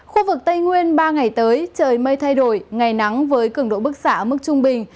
khu vực tây nguyên ba ngày tới trời mây thay đổi ngày nắng với cường độ bức xạ mức trung bình